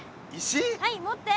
はい持って。